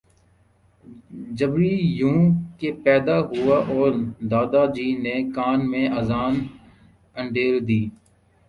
جبری یوں کہ پیدا ہوئے اور دادا جی نے کان میں اذان انڈیل دی